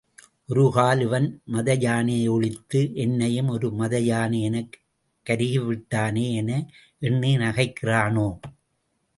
ஒரு கால் இவன் மதயானையை ஒழித்த என்னையும் ஒரு மதயானை எனக் கருகிவிட்டானே என எண்ணி நகைக்கிறானோ?